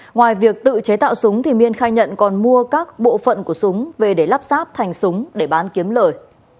ngoài việc tự chế tạo súng miên khai nhận còn mua các bộ phận của súng về để lắp ráp thành súng để bán kiếm lời